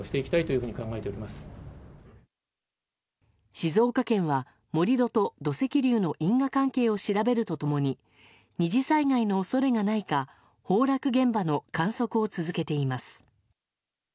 静岡県は、盛り土と土石流の因果関係を調べると共に２次災害の恐れがないか崩落現場の観測を続けています。